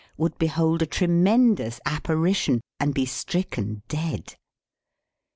would behold a tremendous apparition, and be stricken dead.